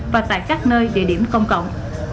và tại các nơi địa điểm công cộng